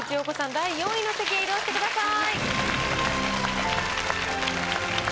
第４位の席へ移動してください。